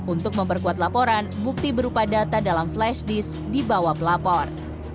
untuk memperkuat laporan bukti berupa data dalam flashdisk dibawah pelapor